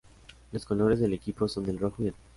Los colores del equipo son el rojo y el blanco.